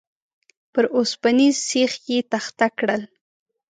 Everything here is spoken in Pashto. پر اوسپنيز سيخ يې تخته کړل.